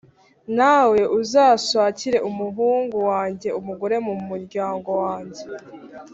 Nawe uzashakire umuhungu wanjye umugore mu muryango wanjye